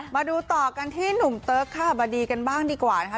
มาดูต่อกันที่หนุ่มเติ๊กค่ะบดีกันบ้างดีกว่านะคะ